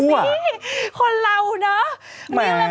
ดูสิคนเราเนอะ